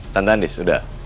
tante andis udah